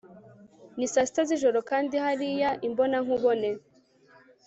ni saa sita z'ijoro kandi hariya, imbonankubone